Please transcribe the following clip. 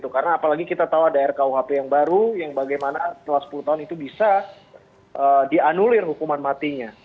karena apalagi kita tahu ada rkuhp yang baru yang bagaimana setelah sepuluh tahun itu bisa dianulir hukuman matinya